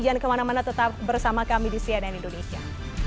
dan kemana mana tetap bersama kami di cnn indonesia